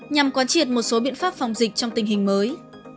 nhằm quan triệt một số biện pháp phòng dịch trong tình hình mới